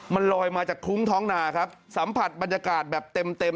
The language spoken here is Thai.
มันลอยมาจากคลุ้งท้องนาครับสัมผัสบรรยากาศแบบเต็มเต็ม